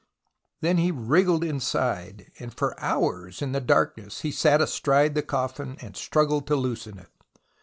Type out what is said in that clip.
Then he wriggled inside, and for hours in the darkness he sat astride the coffin and struggled to loosen it.